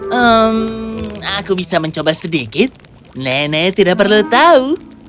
hmm aku bisa mencoba sedikit nenek tidak perlu tahu